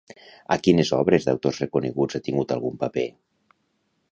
A quines obres d'autors reconeguts ha tingut algun paper?